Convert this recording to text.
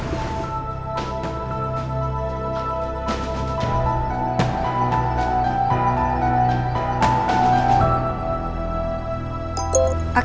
tempatnya harbiden pergi